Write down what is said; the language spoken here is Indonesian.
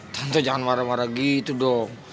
tentu jangan marah marah gitu dong